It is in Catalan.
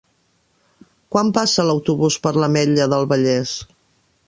Quan passa l'autobús per l'Ametlla del Vallès?